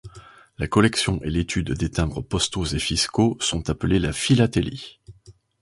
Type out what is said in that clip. La collection et l'étude des timbres postaux et fiscaux sont appelées la philatélie.